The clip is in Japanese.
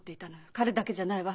彼だけじゃないわ。